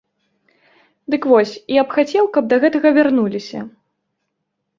Дык вось, я б хацеў, каб да гэтага вярнуліся.